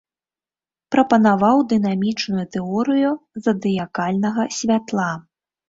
Прапанаваў дынамічную тэорыю задыякальнага святла.